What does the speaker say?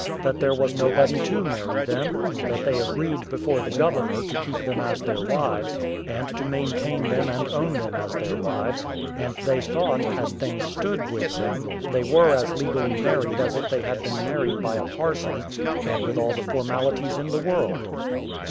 that there was nobody to marry them; that they agreed before the governor to keep them as their wives, and to maintain them and own them as their wives; and they thought, as things stood with them, they were as legally married as if they had been married by a parson and with all the formalities in the world.